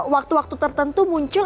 waktu waktu tertentu muncul